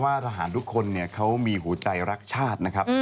ว่าระหารทุกคนเขามีหัวใจรักชาตินะครับ